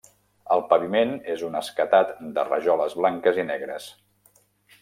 El paviment és un escacat de rajoles blanques i negres.